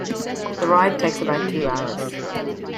The ride takes about two hours.